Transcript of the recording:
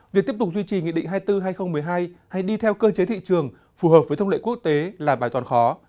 việc tiếp tục duy trì nghị định hai mươi bốn hai nghìn một mươi hai hay đi theo cơ chế thị trường phù hợp với thông lệ quốc tế là bài toàn khó